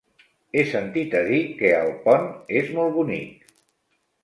He sentit a dir que Alpont és molt bonic.